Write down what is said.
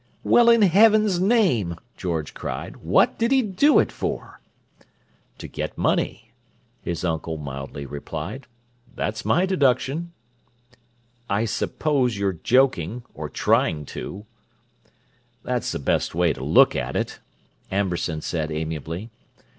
"Well, in heaven's name," George cried, "what did he do it for?" "To get money," his uncle mildly replied. "That's my deduction." "I suppose you're joking—or trying to!" "That's the best way to look at it," Amberson said amiably.